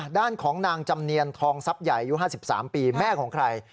ด้านของนางจำเนียนทองทรัพย์ใหญ่อายุ๕๓ปีแม่ของใคร